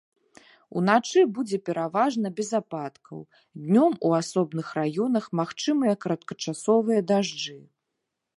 Уначы будзе пераважна без ападкаў, днём у асобных раёнах магчымыя кароткачасовыя дажджы.